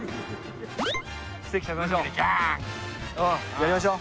やりましょう。